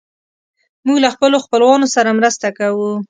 موږ له خپلو خپلوانو سره مرسته کوو.